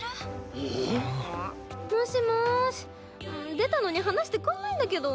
出たのに話してくんないんだけど。